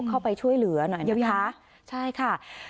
เข้าไปช่วยเหลือหน่อยนะคะใช่ค่ะ